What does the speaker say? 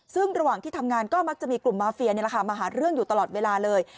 ซึ่งระหว่างที่ทำงานก็มักจะมีกลุ่มมาเฟียมาหาเรื่องอยู่ตลอดเวลาเลย